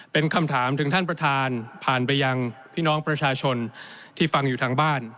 เป็นคำถามถึงท่านประธานผ่านไปยังพี่น้องประชาชนที่ฟังอยู่ทางบ้าน